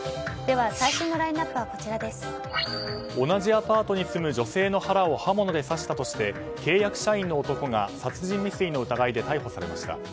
同じアパートに住む女性の腹を刃物で刺したとして契約社員の男が殺人未遂の疑いで逮捕されました。